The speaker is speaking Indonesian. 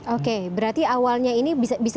oke berarti awalnya ini bisa